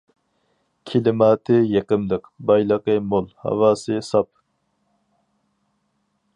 كىلىماتى يېقىملىق، بايلىقى مول، ھاۋاسى ساپ.